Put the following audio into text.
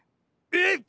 えっ！